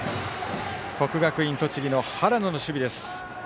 国学院栃木の原野の守備です。